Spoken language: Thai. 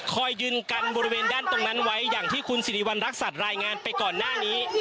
ยืนกันบริเวณด้านตรงนั้นไว้อย่างที่คุณสิริวัณรักษัตริย์รายงานไปก่อนหน้านี้